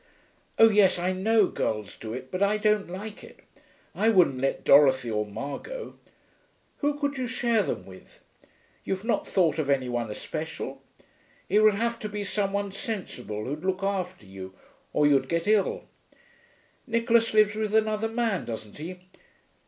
Oh yes, I know girls do it, but I don't like it. I wouldn't let Dorothy or Margot. Who could you share them with? You've not thought of any one especial? It would have to be some one sensible, who'd look after you, or you'd get ill.... Nicholas lives with another man, doesn't he?...